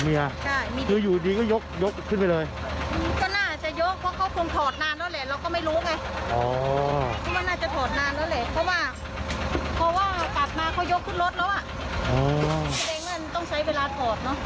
เสร็จแบบนั้นต้องใช้เวลาถอด